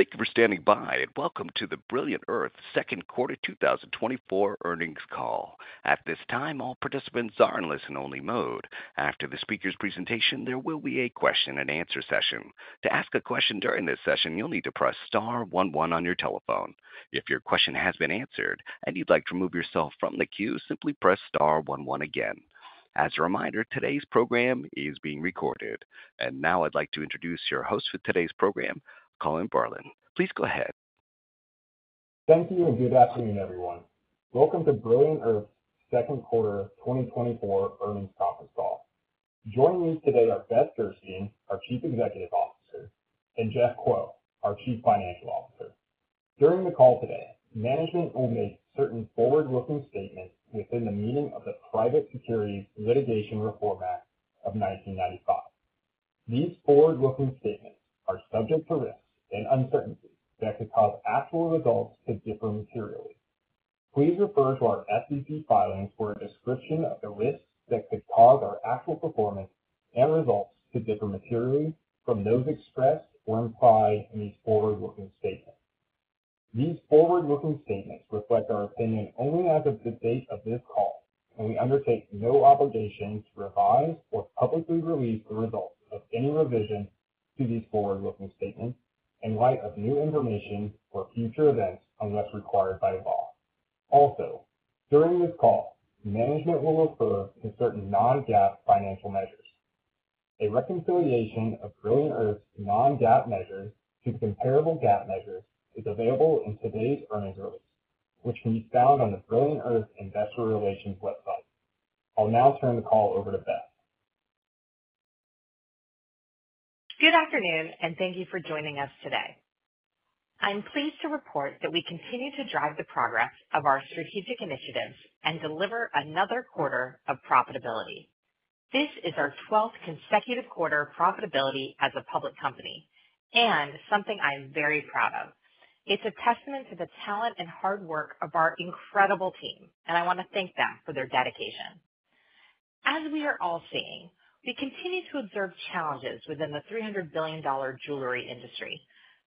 Thank you for standing by, and welcome to the Brilliant Earth second quarter 2024 earnings call. At this time, all participants are in listen-only mode. After the speaker's presentation, there will be a question and answer session. To ask a question during this session, you'll need to press star one one on your telephone. If your question has been answered and you'd like to remove yourself from the queue, simply press star one one again. As a reminder, today's program is being recorded. Now I'd like to introduce your host for today's program, Colin Bourland. Please go ahead. Thank you, and good afternoon, everyone. Welcome to Brilliant Earth's second quarter 2024 earnings conference call. Joining me today are Beth Gerstein, our Chief Executive Officer, and Jeff Kuo, our Chief Financial Officer. During the call today, management will make certain forward-looking statements within the meaning of the Private Securities Litigation Reform Act of 1995. These forward-looking statements are subject to risks and uncertainties that could cause actual results to differ materially. Please refer to our SEC filings for a description of the risks that could cause our actual performance and results to differ materially from those expressed or implied in these forward-looking statements. These forward-looking statements reflect our opinion only as of the date of this call, and we undertake no obligation to revise or publicly release the results of any revision to these forward-looking statements in light of new information or future events, unless required by law. Also, during this call, management will refer to certain non-GAAP financial measures. A reconciliation of Brilliant Earth's non-GAAP measures to comparable GAAP measures is available in today's earnings release, which can be found on the Brilliant Earth Investor Relations website. I'll now turn the call over to Beth. Good afternoon, and thank you for joining us today. I'm pleased to report that we continue to drive the progress of our strategic initiatives and deliver another quarter of profitability. This is our twelfth consecutive quarter of profitability as a public company and something I am very proud of. It's a testament to the talent and hard work of our incredible team, and I want to thank them for their dedication. As we are all seeing, we continue to observe challenges within the $300 billion jewelry industry,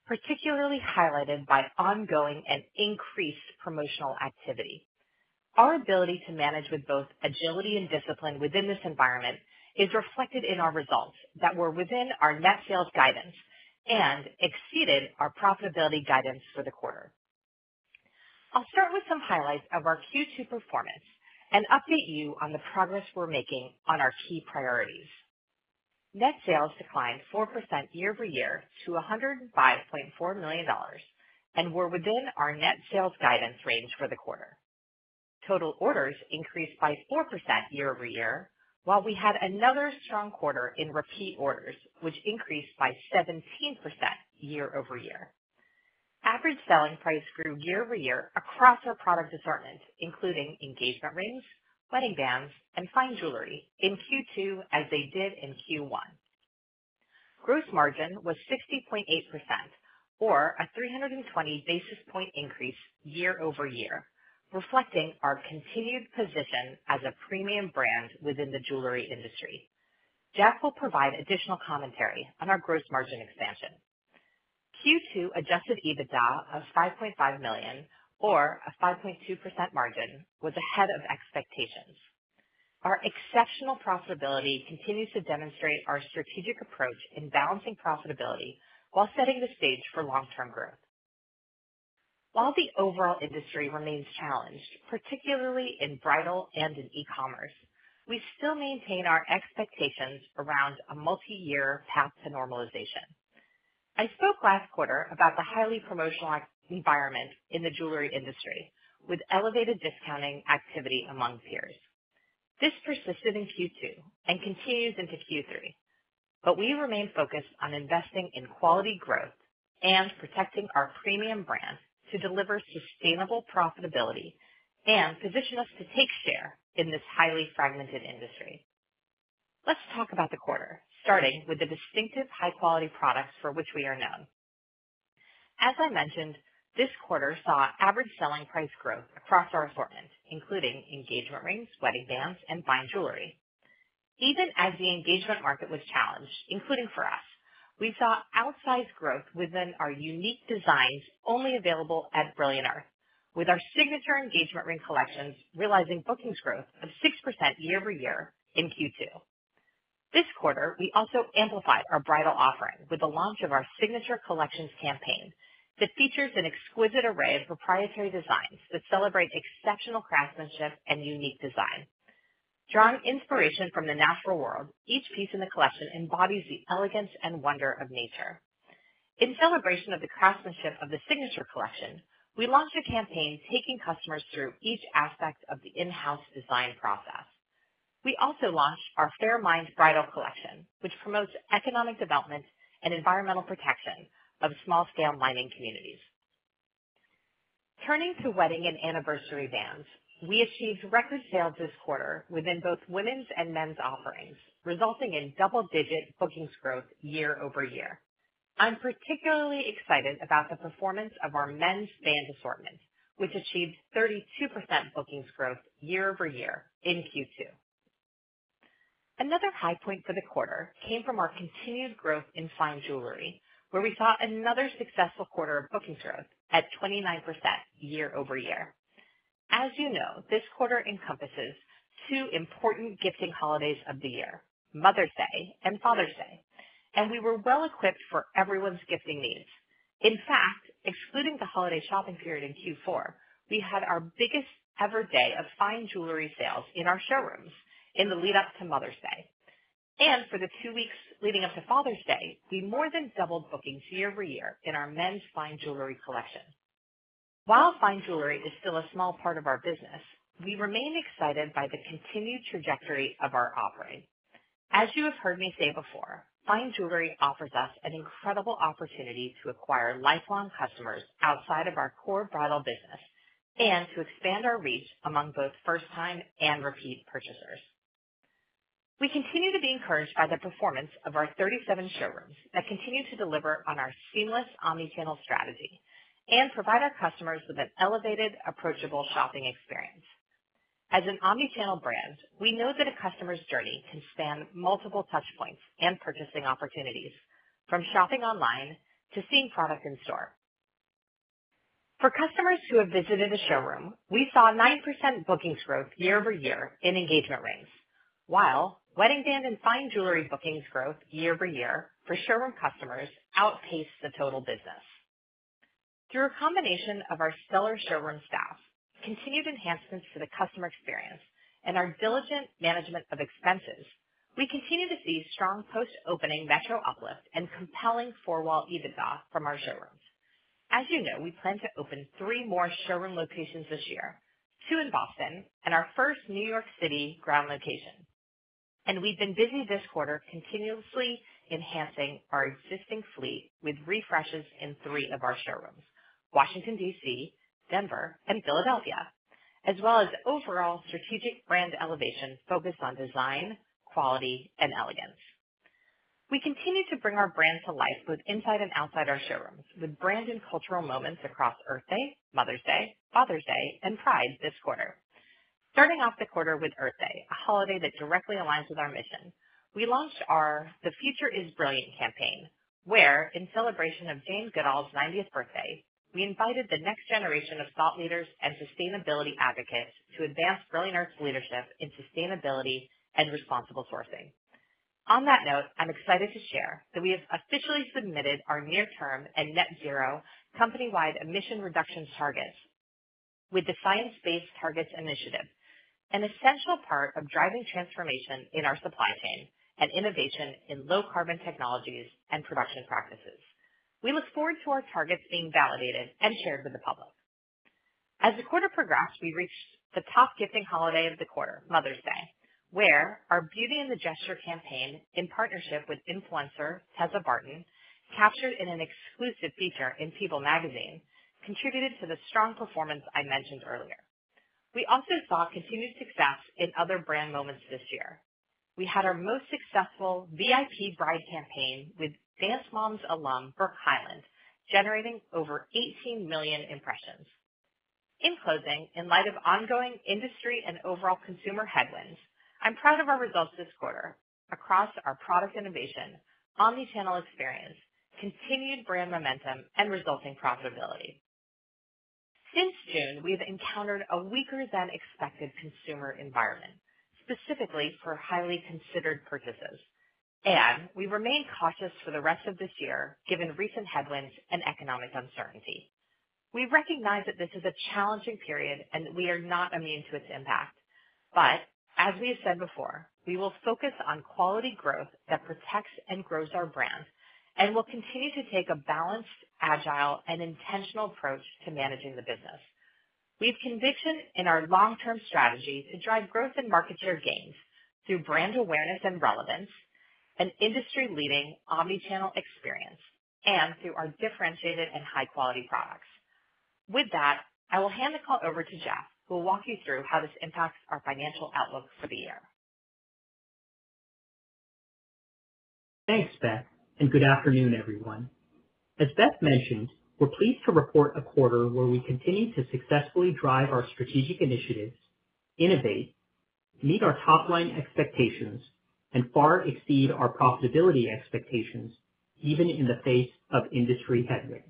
particularly highlighted by ongoing and increased promotional activity. Our ability to manage with both agility and discipline within this environment is reflected in our results that were within our net sales guidance and exceeded our profitability guidance for the quarter. I'll start with some highlights of our Q2 performance and update you on the progress we're making on our key priorities. Net sales declined 4% year-over-year to $105.4 million, and were within our net sales guidance range for the quarter. Total orders increased by 4% year-over-year, while we had another strong quarter in repeat orders, which increased by 17% year-over-year. Average selling price grew year-over-year across our product assortment, including engagement rings, wedding bands, and fine jewelry in Q2, as they did in Q1. Gross margin was 60.8%, or a 320 basis point increase year-over-year, reflecting our continued position as a premium brand within the jewelry industry. Jeff will provide additional commentary on our gross margin expansion. Q2 Adjusted EBITDA of $5.5 million, or a 5.2% margin, was ahead of expectations. Our exceptional profitability continues to demonstrate our strategic approach in balancing profitability while setting the stage for long-term growth. While the overall industry remains challenged, particularly in bridal and in e-commerce, we still maintain our expectations around a multi-year path to normalization. I spoke last quarter about the highly promotional environment in the jewelry industry, with elevated discounting activity among peers. This persisted in Q2 and continues into Q3, but we remain focused on investing in quality growth and protecting our premium brand to deliver sustainable profitability and position us to take share in this highly fragmented industry. Let's talk about the quarter, starting with the distinctive high-quality products for which we are known. As I mentioned, this quarter saw average selling price growth across our assortment, including engagement rings, wedding bands, and fine jewelry. Even as the engagement market was challenged, including for us, we saw outsized growth within our unique designs, only available at Brilliant Earth, with our Signature engagement ring collections, realizing bookings growth of 6% year-over-year in Q2. This quarter, we also amplified our bridal offering with the launch of our Signature Collections campaign that features an exquisite array of proprietary designs that celebrate exceptional craftsmanship and unique design. Drawing inspiration from the natural world, each piece in the collection embodies the elegance and wonder of nature. In celebration of the craftsmanship of the Signature Collection, we launched a campaign taking customers through each aspect of the in-house design process. We also launched our Fairmined Bridal Collection, which promotes economic development and environmental protection of small-scale mining communities. Turning to wedding and anniversary bands, we achieved record sales this quarter within both women's and men's offerings, resulting in double-digit bookings growth year-over-year. I'm particularly excited about the performance of our men's band assortment, which achieved 32% bookings growth year-over-year in Q2. Another high point for the quarter came from our continued growth in fine jewelry, where we saw another successful quarter of bookings growth at 29% year-over-year. As you know, this quarter encompasses two important gifting holidays of the year, Mother's Day and Father's Day, and we were well equipped for everyone's gifting needs. In fact, excluding the holiday shopping period in Q4, we had our biggest ever day of fine jewelry sales in our showrooms in the lead up to Mother's Day. For the two weeks leading up to Father's Day, we more than doubled bookings year-over-year in our men's fine jewelry collection. While fine jewelry is still a small part of our business, we remain excited by the continued trajectory of our offering. As you have heard me say before, fine jewelry offers us an incredible opportunity to acquire lifelong customers outside of our core bridal business and to expand our reach among both first-time and repeat purchasers. We continue to be encouraged by the performance of our 37 showrooms that continue to deliver on our seamless omnichannel strategy and provide our customers with an elevated, approachable shopping experience. As an Omnichannel brand, we know that a customer's journey can span multiple touch points and purchasing opportunities, from shopping online to seeing product in store. For customers who have visited a showroom, we saw 9% bookings growth year-over-year in engagement rings, while wedding band and fine jewelry bookings growth year-over-year for showroom customers outpaced the total business. Through a combination of our stellar showroom staff, continued enhancements to the customer experience, and our diligent management of expenses, we continue to see strong post-opening metro uplift and compelling Four-wall EBITDA from our showrooms. As you know, we plan to open three more showroom locations this year, two in Boston and our first New York City ground location. We've been busy this quarter continuously enhancing our existing fleet with refreshes in three of our showrooms, Washington, D.C., Denver, and Philadelphia, as well as overall strategic brand elevation focused on design, quality, and elegance. We continue to bring our brand to life both inside and outside our showrooms, with brand and cultural moments across Earth Day, Mother's Day, Father's Day, and Pride this quarter. Starting off the quarter with Earth Day, a holiday that directly aligns with our mission, we launched our The Future is Brilliant campaign, where, in celebration of Jane Goodall's ninetieth birthday, we invited the next generation of thought leaders and sustainability advocates to advance Brilliant Earth's leadership in sustainability and responsible sourcing. On that note, I'm excited to share that we have officially submitted our near-term and net zero company-wide emission reduction targets with the Science Based Targets initiative, an essential part of driving transformation in our supply chain and innovation in low carbon technologies and production practices. We look forward to our targets being validated and shared with the public. As the quarter progressed, we reached the top gifting holiday of the quarter, Mother's Day, where our Beauty in the Gesture campaign, in partnership with influencer Tessa Barton, captured in an exclusive feature in People magazine, contributed to the strong performance I mentioned earlier. We also saw continued success in other brand moments this year. We had our most successful VIP bride campaign with Dance Moms alum Brooke Hyland, generating over 18 million impressions. In closing, in light of ongoing industry and overall consumer headwinds, I'm proud of our results this quarter across our product innovation, omnichannel experience, continued brand momentum, and resulting profitability. Since June, we've encountered a weaker than expected consumer environment, specifically for highly considered purchases, and we remain cautious for the rest of this year, given recent headwinds and economic uncertainty. We recognize that this is a challenging period, and we are not immune to its impact. But as we have said before, we will focus on quality growth that protects and grows our brand, and we'll continue to take a balanced, agile, and intentional approach to managing the business. We have conviction in our long-term strategy to drive growth and market share gains through brand awareness and relevance, and industry-leading omnichannel experience, and through our differentiated and high-quality products. With that, I will hand the call over to Jeff, who will walk you through how this impacts our financial outlook for the year. Thanks, Beth, and good afternoon, everyone. As Beth mentioned, we're pleased to report a quarter where we continued to successfully drive our strategic initiatives, innovate, meet our top line expectations, and far exceed our profitability expectations, even in the face of industry headwinds.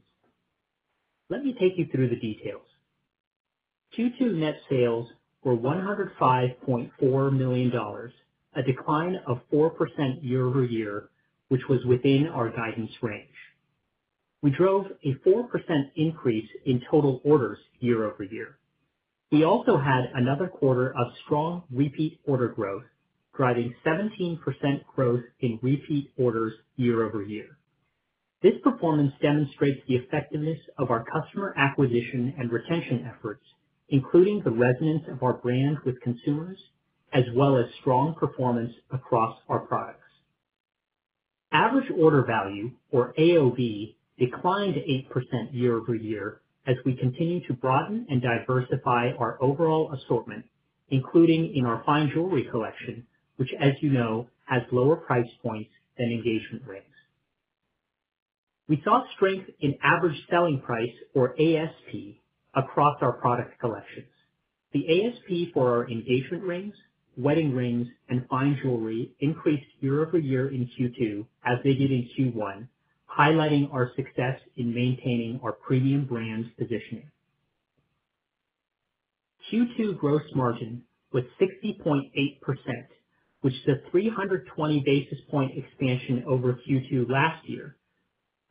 Let me take you through the details. Q2 net sales were $105.4 million, a decline of 4% year-over-year, which was within our guidance range. We drove a 4% increase in total orders year-over-year. We also had another quarter of strong repeat order growth, driving 17% growth in repeat orders year-over-year. This performance demonstrates the effectiveness of our customer acquisition and retention efforts, including the resonance of our brand with consumers, as well as strong performance across our products. Average order value, or AOV, declined 8% year-over-year as we continue to broaden and diversify our overall assortment, including in our fine jewelry collection, which, as you know, has lower price points than engagement rings. We saw strength in average selling price, or ASP, across our product collections. The ASP for our engagement rings, wedding rings, and fine jewelry increased year-over-year in Q2 as they did in Q1, highlighting our success in maintaining our premium brand's positioning. Q2 gross margin was 60.8%, which is a 320 basis point expansion over Q2 last year,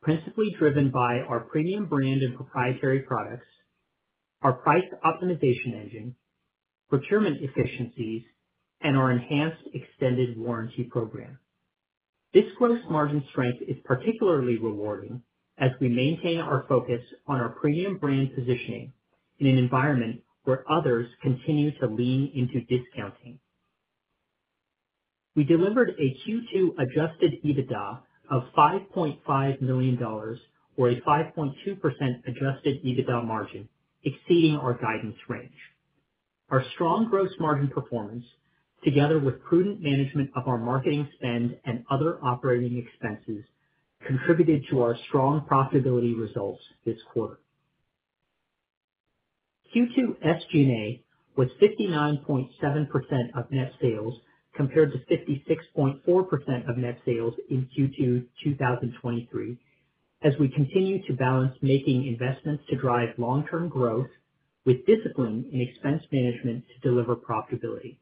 principally driven by our premium brand and proprietary products, our price optimization engine, procurement efficiencies, and our enhanced extended warranty program. This gross margin strength is particularly rewarding as we maintain our focus on our premium brand positioning in an environment where others continue to lean into discounting. We delivered a Q2 Adjusted EBITDA of $5.5 million, or a 5.2% Adjusted EBITDA margin, exceeding our guidance range. Our strong gross margin performance, together with prudent management of our marketing spend and other operating expenses, contributed to our strong profitability results this quarter. Q2 SG&A was 59.7% of net sales, compared to 56.4% of net sales in Q2 2023, as we continue to balance making investments to drive long-term growth with discipline in expense management to deliver profitability.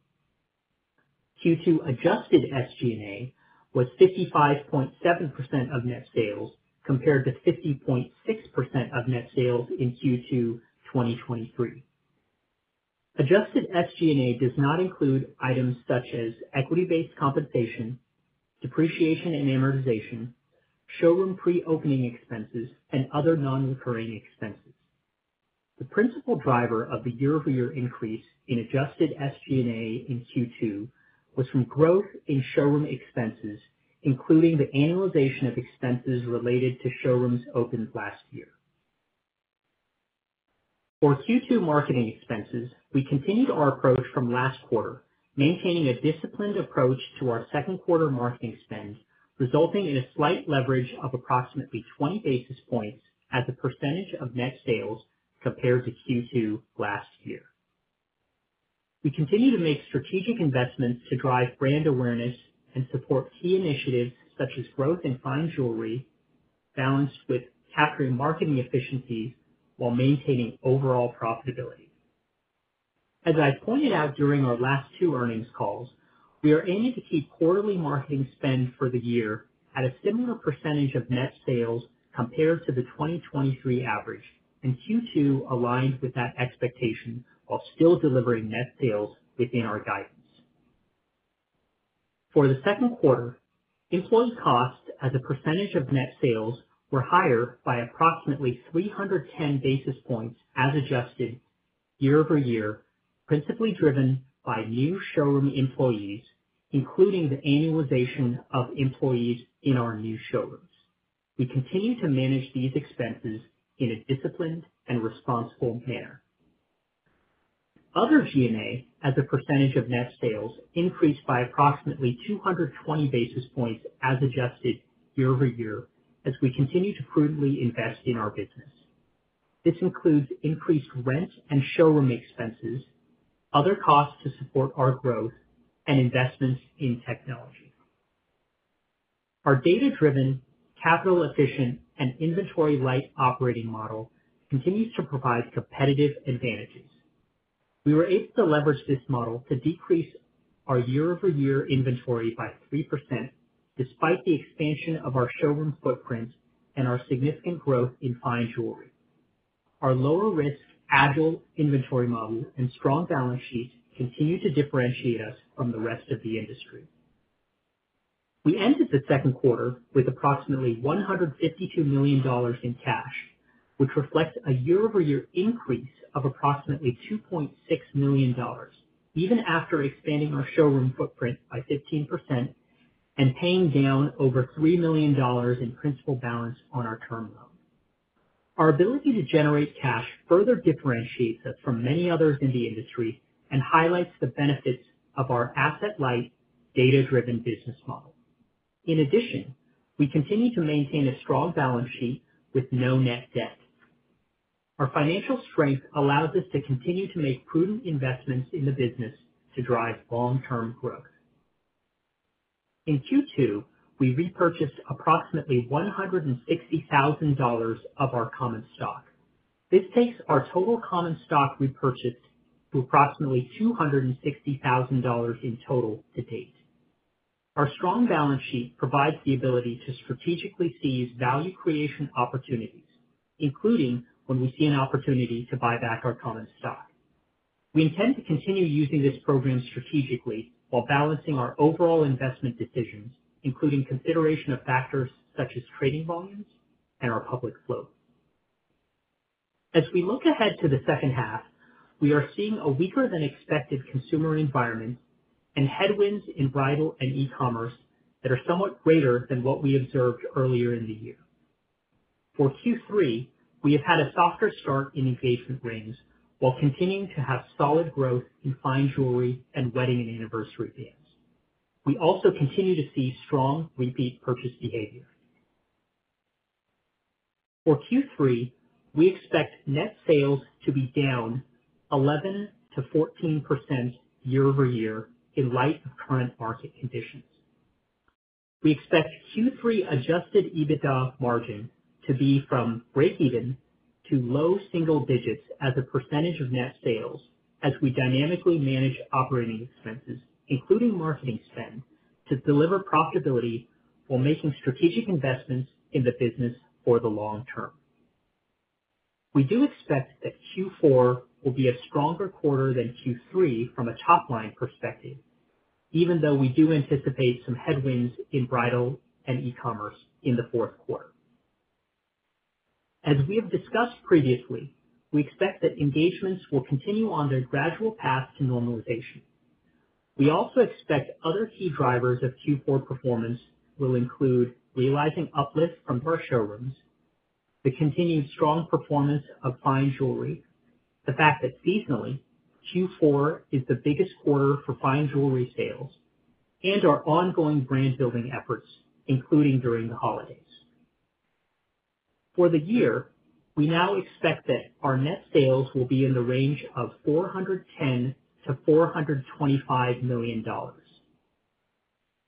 Q2 Adjusted SG&A was 55.7% of net sales, compared to 50.6% of net sales in Q2 2023. Adjusted SG&A does not include items such as equity-based compensation, depreciation and amortization, showroom pre-opening expenses, and other non-recurring expenses. The principal driver of the year-over-year increase in adjusted SG&A in Q2 was from growth in showroom expenses, including the annualization of expenses related to showrooms opened last year. For Q2 marketing expenses, we continued our approach from last quarter, maintaining a disciplined approach to our second quarter marketing spend, resulting in a slight leverage of approximately 20 basis points as a percentage of net sales compared to Q2 last year. We continue to make strategic investments to drive brand awareness and support key initiatives such as growth in fine jewelry, balanced with capturing marketing efficiencies while maintaining overall profitability. As I pointed out during our last two earnings calls, we are aiming to keep quarterly marketing spend for the year at a similar percentage of net sales compared to the 2023 average, and Q2 aligns with that expectation while still delivering net sales within our guidance. For the second quarter, employee costs as a percentage of net sales were higher by approximately 310 basis points as adjusted year over year, principally driven by new showroom employees, including the annualization of employees in our new showrooms. We continue to manage these expenses in a disciplined and responsible manner. Other G&A, as a percentage of net sales, increased by approximately 220 basis points as adjusted year over year as we continue to prudently invest in our business. This includes increased rent and showroom expenses, other costs to support our growth, and investments in technology. Our data-driven, capital-efficient, and inventory-light operating model continues to provide competitive advantages. We were able to leverage this model to decrease our year-over-year inventory by 3%, despite the expansion of our showroom footprint and our significant growth in fine jewelry. Our lower risk, agile inventory model and strong balance sheet continue to differentiate us from the rest of the industry. We ended the second quarter with approximately $152 million in cash, which reflects a year-over-year increase of approximately $2.6 million, even after expanding our showroom footprint by 15% and paying down over $3 million in principal balance on our term loan. Our ability to generate cash further differentiates us from many others in the industry and highlights the benefits of our asset-light, data-driven business model. In addition, we continue to maintain a strong balance sheet with no net debt. Our financial strength allows us to continue to make prudent investments in the business to drive long-term growth. In Q2, we repurchased approximately $160,000 of our common stock. This takes our total common stock repurchased to approximately $260,000 in total to date. Our strong balance sheet provides the ability to strategically seize value creation opportunities, including when we see an opportunity to buy back our common stock. We intend to continue using this program strategically while balancing our overall investment decisions, including consideration of factors such as trading volumes and our public float. As we look ahead to the second half, we are seeing a weaker-than-expected consumer environment and headwinds in bridal and e-commerce that are somewhat greater than what we observed earlier in the year. For Q3, we have had a softer start in engagement rings while continuing to have solid growth in fine jewelry and wedding and anniversary bands. We also continue to see strong repeat purchase behavior. For Q3, we expect net sales to be down 11%-14% year-over-year in light of current market conditions. We expect Q3 Adjusted EBITDA margin to be from breakeven to low single digits as a percentage of net sales as we dynamically manage operating expenses, including marketing spend, to deliver profitability while making strategic investments in the business for the long term. We do expect that Q4 will be a stronger quarter than Q3 from a top-line perspective, even though we do anticipate some headwinds in bridal and e-commerce in the fourth quarter. As we have discussed previously, we expect that engagements will continue on their gradual path to normalization. We also expect other key drivers of Q4 performance will include realizing uplift from our showrooms, the continued strong performance of fine jewelry, the fact that seasonally, Q4 is the biggest quarter for fine jewelry sales, and our ongoing brand-building efforts, including during the holidays. For the year, we now expect that our net sales will be in the range of $410 million-$425 million.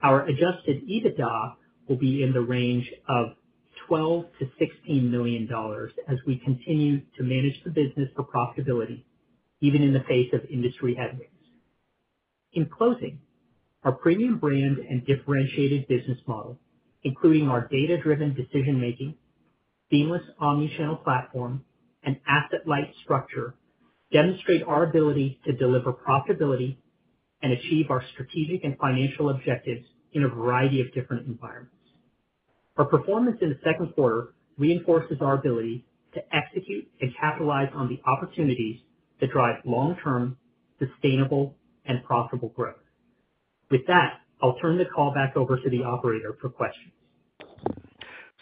Our Adjusted EBITDA will be in the range of $12 million-$16 million as we continue to manage the business for profitability, even in the face of industry headwinds. In closing, our premium brand and differentiated business model, including our data-driven decision making, seamless omnichannel platform, and asset-light structure, demonstrate our ability to deliver profitability and achieve our strategic and financial objectives in a variety of different environments. Our performance in the second quarter reinforces our ability to execute and capitalize on the opportunities that drive long-term, sustainable, and profitable growth. With that, I'll turn the call back over to the operator for questions.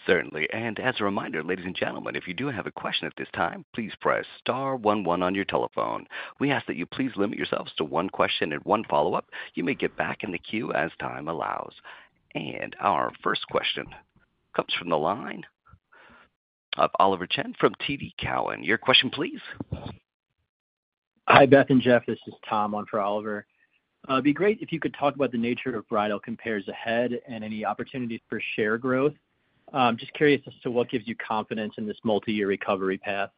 Certainly. As a reminder, ladies and gentlemen, if you do have a question at this time, please press star one one on your telephone. We ask that you please limit yourselves to one question and one follow-up. You may get back in the queue as time allows. Our first question comes from the line of Oliver Chen from TD Cowen. Your question, please. Hi, Beth and Jeff, this is Tom on for Oliver. It'd be great if you could talk about the nature of bridal compares ahead and any opportunities for share growth. Just curious as to what gives you confidence in this multi-year recovery path.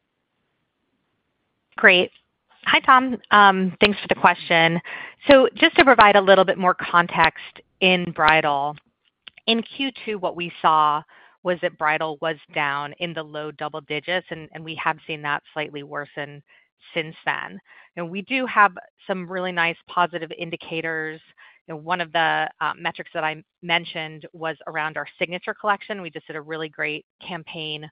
Great. Hi, Tom. Thanks for the question. So just to provide a little bit more context in bridal. In Q2, what we saw was that bridal was down in the low double digits, and we have seen that slightly worsen since then. Now, we do have some really nice positive indicators. You know, one of the metrics that I mentioned was around our Signature Collection. We just did a really great campaign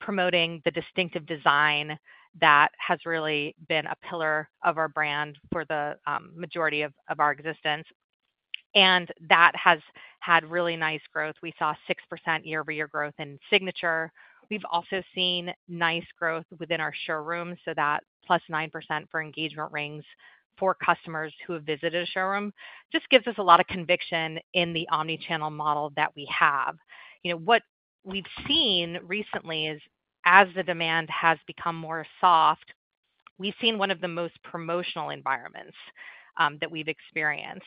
promoting the distinctive design that has really been a pillar of our brand for the majority of our existence, and that has had really nice growth. We saw 6% year-over-year growth in Signature. We've also seen nice growth within our showrooms, so that +9% for engagement rings for customers who have visited a showroom, just gives us a lot of conviction in the omnichannel model that we have. You know, what we've seen recently is, as the demand has become more soft, we've seen one of the most promotional environments that we've experienced.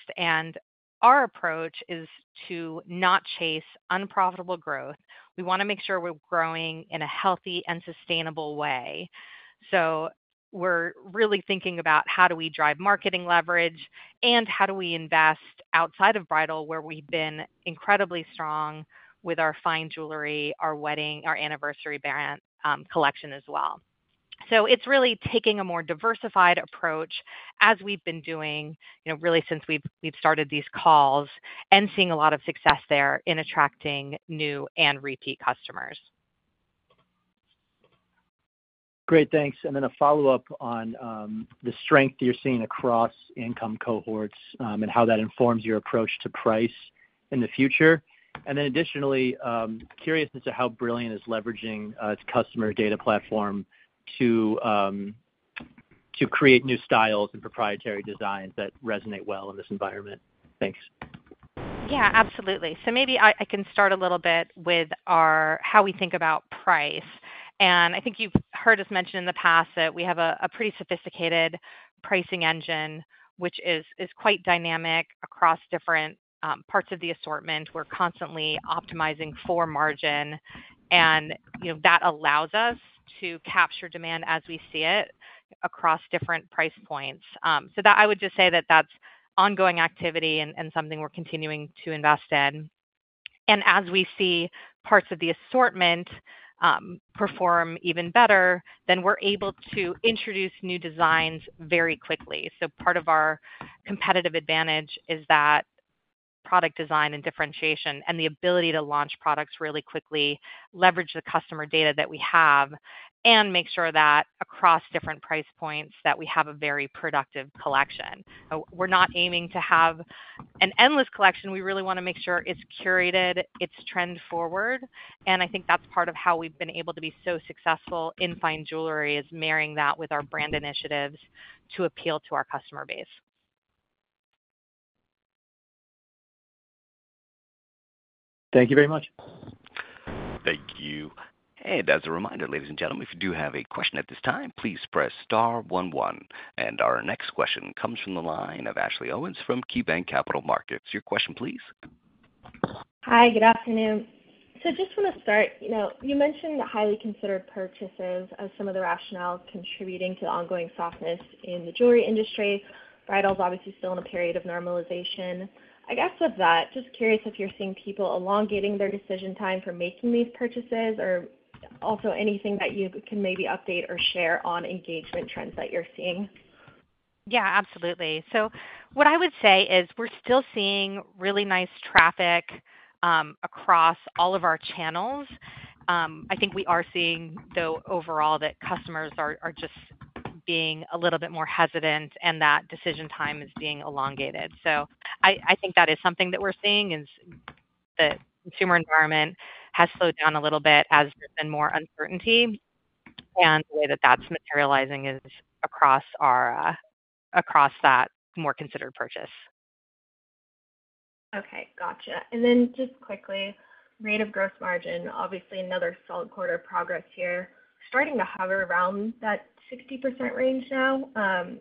Our approach is to not chase unprofitable growth. We wanna make sure we're growing in a healthy and sustainable way. So we're really thinking about how do we drive marketing leverage, and how do we invest outside of bridal, where we've been incredibly strong with our fine jewelry, our wedding, our anniversary band collection as well. So it's really taking a more diversified approach, as we've been doing, you know, really since we've started these calls, and seeing a lot of success there in attracting new and repeat customers. Great, thanks. And then a follow-up on the strength you're seeing across income cohorts, and how that informs your approach to price in the future. And then additionally, curious as to how Brilliant is leveraging its customer data platform to create new styles and proprietary designs that resonate well in this environment. Thanks. Yeah, absolutely. So maybe I can start a little bit with our, how we think about price. And I think you've heard us mention in the past that we have a pretty sophisticated pricing engine, which is quite dynamic across different parts of the assortment. We're constantly optimizing for margin, and, you know, that allows us to capture demand as we see it across different price points. So that, I would just say that that's ongoing activity and something we're continuing to invest in. And as we see parts of the assortment perform even better, then we're able to introduce new designs very quickly. So part of our competitive advantage is that product design and differentiation, and the ability to launch products really quickly, leverage the customer data that we have, and make sure that across different price points, that we have a very productive collection. We're not aiming to have an endless collection. We really wanna make sure it's curated, it's trend forward, and I think that's part of how we've been able to be so successful in fine jewelry, is marrying that with our brand initiatives to appeal to our customer base. Thank you very much. Thank you. And as a reminder, ladies and gentlemen, if you do have a question at this time, please press star one, one. And our next question comes from the line of Ashley Owens from KeyBanc Capital Markets. Your question, please. Hi, good afternoon. Just wanna start, you know, you mentioned the highly considered purchases as some of the rationales contributing to the ongoing softness in the jewelry industry. Bridal is obviously still in a period of normalization. I guess with that, just curious if you're seeing people elongating their decision time for making these purchases, or also anything that you can maybe update or share on engagement trends that you're seeing? Yeah, absolutely. So what I would say is, we're still seeing really nice traffic across all of our channels. I think we are seeing, though, overall, that customers are just being a little bit more hesitant and that decision time is being elongated. So I think that is something that we're seeing, is the consumer environment has slowed down a little bit as there's been more uncertainty, and the way that that's materializing is across our, across that more considered purchase. Okay, gotcha. And then just quickly, rate of gross margin. Obviously, another solid quarter of progress here. Starting to hover around that 60% range now.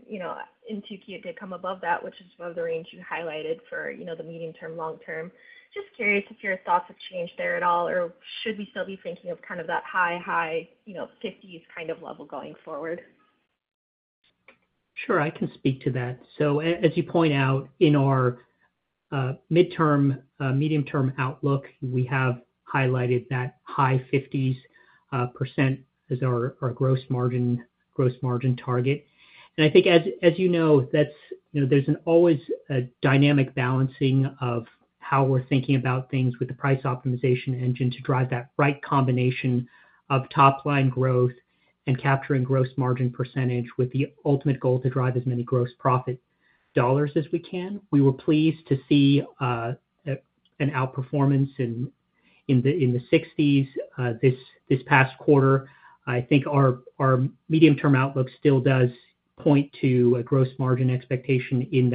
You know, in Q2, it did come above that, which is above the range you highlighted for, you know, the medium term, long term. Just curious if your thoughts have changed there at all, or should we still be thinking of kind of that high, high, you know, 50s kind of level going forward? Sure, I can speak to that. So as you point out, in our medium-term outlook, we have highlighted that high 50s% as our gross margin target. And I think as you know, that's, you know, there's always a dynamic balancing of how we're thinking about things with the price optimization engine to drive that right combination of top line growth and capturing gross margin percentage, with the ultimate goal to drive as many gross profit dollars as we can. We were pleased to see an outperformance in the 60s this past quarter. I think our medium-term outlook still does point to a gross margin expectation in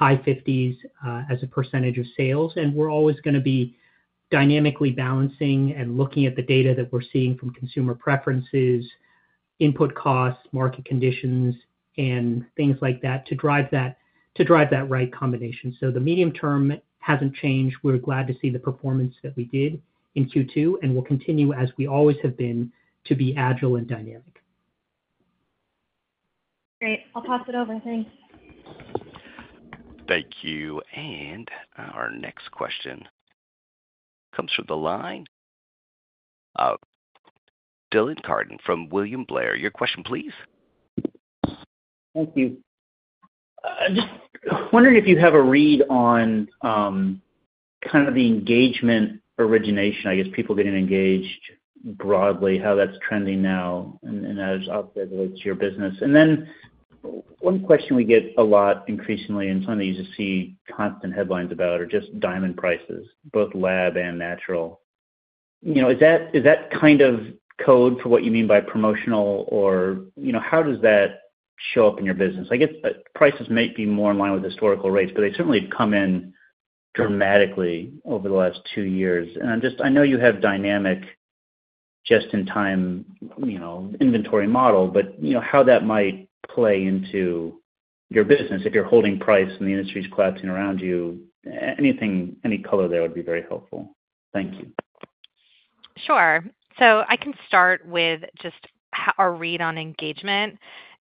that high 50s as a % of sales. And we're always gonna be dynamically balancing and looking at the data that we're seeing from consumer preferences, input costs, market conditions, and things like that, to drive that, to drive that right combination. So the medium term hasn't changed. We're glad to see the performance that we did in Q2, and we'll continue, as we always have been, to be agile and dynamic. Great. I'll pass it over. Thanks. Thank you. Our next question comes from the line of Dylan Carden from William Blair. Your question, please. Thank you. Just wondering if you have a read on, kind of the engagement origination, I guess people getting engaged broadly, how that's trending now and as how it relates to your business. And then one question we get a lot increasingly, and something you just see constant headlines about, are just diamond prices, both lab and natural. You know, is that, is that kind of code for what you mean by promotional? Or, you know, how does that show up in your business? I guess, prices might be more in line with historical rates, but they certainly have come in dramatically over the last two years. And I'm just... I know you have dynamic just in time, you know, inventory model, but, you know, how that might play into your business if you're holding price and the industry is collapsing around you. Anything, any color there would be very helpful. Thank you. Sure. So I can start with just our read on engagement.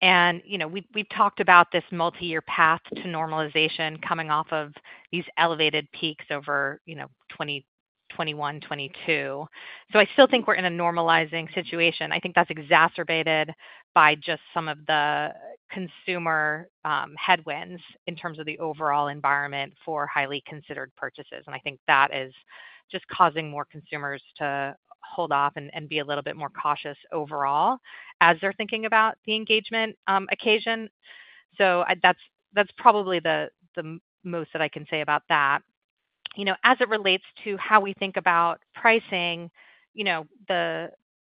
And, you know, we, we've talked about this multiyear path to normalization coming off of these elevated peaks over, you know, 2020, 2021, 2022. So I still think we're in a normalizing situation. I think that's exacerbated by just some of the consumer headwinds in terms of the overall environment for highly considered purchases. And I think that is just causing more consumers to hold off and be a little bit more cautious overall as they're thinking about the engagement occasion. So I... That's probably the most that I can say about that. You know, as it relates to how we think about pricing, you know,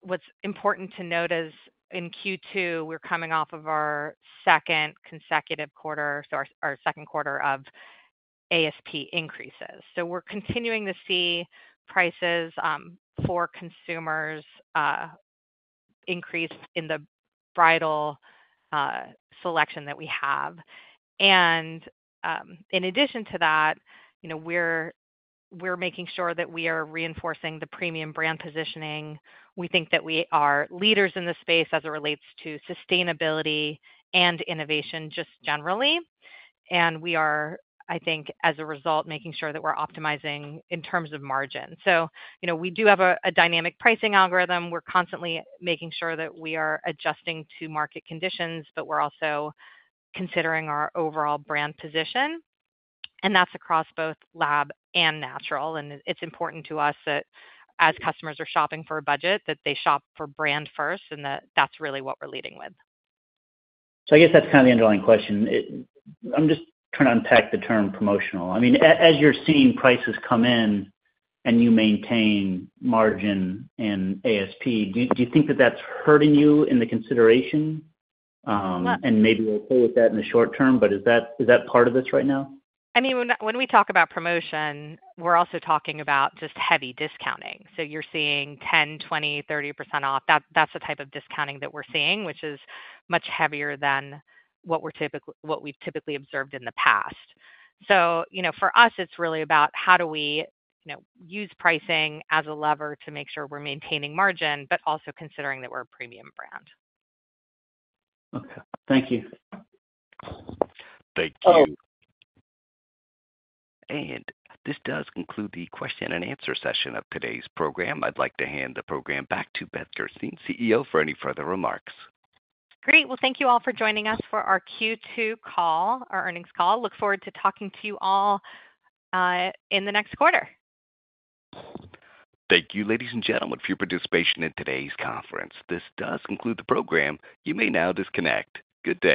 what's important to note is, in Q2, we're coming off of our second consecutive quarter, so our second quarter of ASP increases. So we're continuing to see prices for consumers increase in the bridal selection that we have. And in addition to that, you know, we're making sure that we are reinforcing the premium brand positioning. We think that we are leaders in this space as it relates to sustainability and innovation, just generally. And we are, I think, as a result, making sure that we're optimizing in terms of margin. So, you know, we do have a dynamic pricing algorithm. We're constantly making sure that we are adjusting to market conditions, but we're also considering our overall brand position, and that's across both lab and natural. And it's important to us that as customers are shopping for a budget, that they shop for brand first, and that's really what we're leading with. So I guess that's kind of the underlying question. I'm just trying to unpack the term promotional. I mean, as you're seeing prices come in and you maintain margin and ASP, do you think that that's hurting you in the consideration? And maybe we're okay with that in the short term, but is that part of this right now? I mean, when we talk about promotion, we're also talking about just heavy discounting. So you're seeing 10, 20, 30% off. That's the type of discounting that we're seeing, which is much heavier than what we've typically observed in the past. So, you know, for us, it's really about how do we, you know, use pricing as a lever to make sure we're maintaining margin, but also considering that we're a premium brand. Okay. Thank you. Thank you. This does conclude the question and answer session of today's program. I'd like to hand the program back to Beth Gerstein, CEO, for any further remarks. Great. Well, thank you all for joining us for our Q2 call, our earnings call. Look forward to talking to you all in the next quarter. Thank you, ladies and gentlemen, for your participation in today's conference. This does conclude the program. You may now disconnect. Good day.